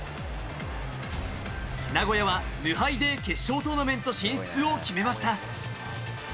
名古屋は無敗で決勝トーナメント進出を決めました。